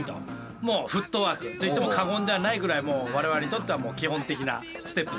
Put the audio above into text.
もうフットワークといっても過言ではないぐらい我々にとっては基本的なステップですね。